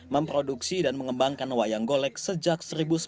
memproduksi dan mengembangkan wayang golek sejak seribu sembilan ratus sembilan puluh